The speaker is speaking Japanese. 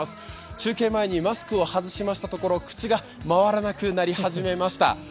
中継前にマスクを外しましたところ、口が回らなくなり始めました。